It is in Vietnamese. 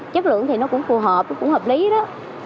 chất lượng thì nó cũng phù hợp nó cũng hợp lý đó